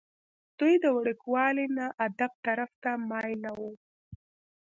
دوي د وړوکوالي نه ادب طرف ته مائله وو ۔